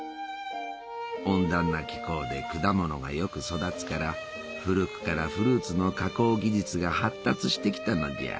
温暖な気候で果物がよく育つから古くからフルーツの加工技術が発達してきたのじゃ。